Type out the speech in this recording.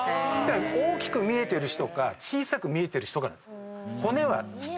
大きく見えてる人か小さく見えてる人かなんです。